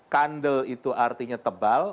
kandel itu artinya tebal